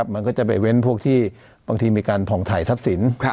มันก็จะไปเว้นพวกที่บางทีมีการผ่องถ่ายทรัพย์สิน